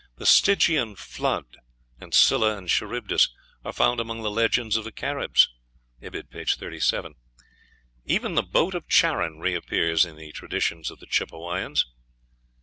The Stygian flood, and Scylla and Charybdis, are found among the legends of the Caribs. (Ibid., p. 37.) Even the boat of Charon reappears in the traditions of the Chippewayans.